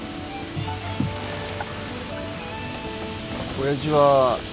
おやじは。